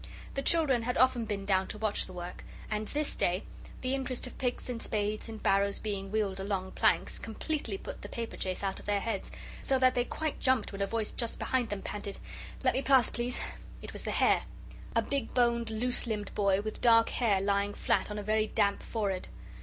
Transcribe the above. The children had often been down to watch the work, and this day the interest of picks and spades, and barrows being wheeled along planks, completely put the paperchase out of their heads, so that they quite jumped when a voice just behind them panted, "Let me pass, please." It was the hare a big boned, loose limbed boy, with dark hair lying flat on a very damp forehead.